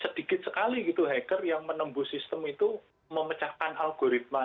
sedikit sekali gitu hacker yang menembus sistem itu memecahkan algoritma